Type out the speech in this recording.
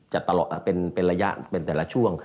จะตลอดเป็นระยะเป็นแต่ละช่วง